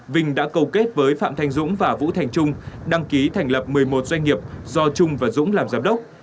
vinh đã cầu kết với phạm thanh dũng và vũ thành trung đăng ký thành lập một mươi một doanh nghiệp do trung và dũng làm giám đốc